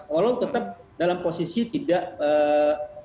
walau tetap dalam posisi tidak